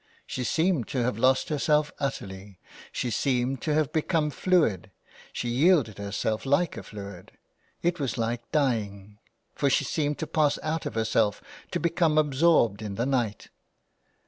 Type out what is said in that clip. She seemed to have lost herself utterly, she seemed to have become fluid, she yielded herself like a fluid ; it was like dying : for she seemed to pass out of herself to become absorbed in the night.